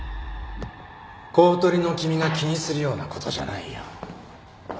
公取の君が気にするようなことじゃないよ。